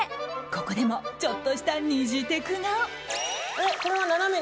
ここでもちょっとした、にじテクが。